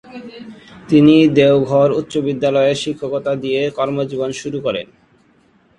তিনি দেওঘর উচ্চ বিদ্যালয়ে শিক্ষকতা দিয়ে কর্মজীবন শুরু করেন।